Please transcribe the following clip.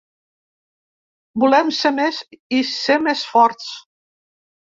Volem ser més, i ser més forts.